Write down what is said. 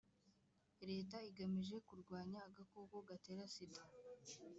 leta igamije kurwanya agakoko katera sida